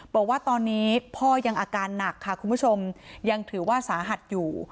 บอกว่าตอนนี้พ่อยังอาการหนักค่ะคุณผู้ชมยังถือว่าสาหัสอยู่